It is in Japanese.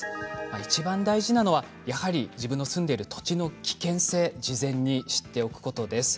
いちばん大事なのは自分の住んでいる土地の危険性を事前に知っておくことです。